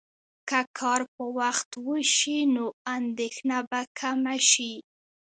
که کار په وخت وشي، نو اندېښنه به کمه شي.